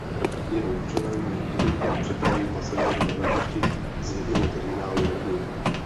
Jeho účelem je urychlit přepravu pasažérů na letišti z jednoho terminálu na druhý.